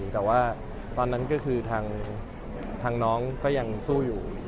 แต่ว่าตอนนั้นก็คือทางน้องก็ยังสู้อยู่